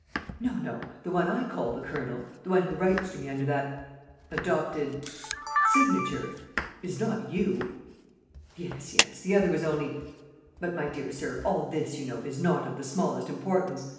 "No, no. ... The one I call the Colonel, the one who writes to me under that ... adopted ... signature ... is not you!" "Yes, yes ... the other was only ... But, my dear sir, all this, you know, is not of the smallest importance.